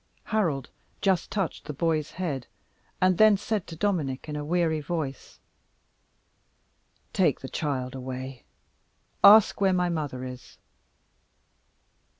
Harold just touched the boy's head, and then said to Dominic in a weary voice "Take the child away. Ask where my mother is."